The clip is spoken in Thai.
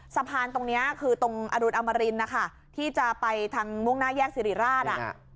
สะพานตรงนี้คือตรงอรุณอมรินนะคะที่จะไปทางมุ่งหน้าแยกสิริราช